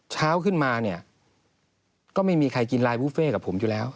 เช้าขึ้นมาเนี่ยก็ไม่มีใครกินลายบุฟเฟ่กับผมอยู่แล้ว